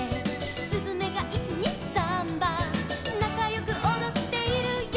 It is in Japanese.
「すずめが１・２・サンバ」「なかよくおどっているよ」